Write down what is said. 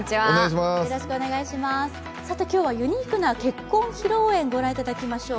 今日はユニークな結婚披露宴ご覧いただきましょう。